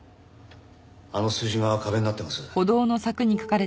あの数字が壁になってます。